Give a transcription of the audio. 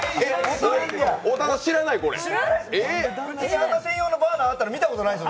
あんな専用のバーナーがあったの知らないです。